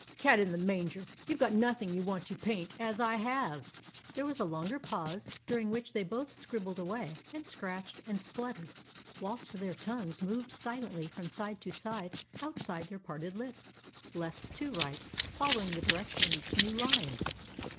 "Cat in the manger! You've got nothing you want to paint, as I have." There was a longer pause, during which they both scribbled away, and scratched, and spluttered, whilst their tongues moved silently from side to side outside their parted lips, left to right, following the direction of each new line.